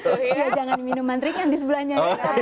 jangan minum mantrikan di sebelahnya